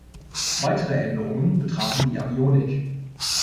Weitere Änderungen betrafen die Avionik.